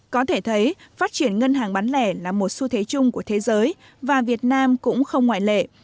có thể thấy phát triển ngân hàng bán lẻ là một xu thế chung của thế giới và việt nam cũng không ngoại lệ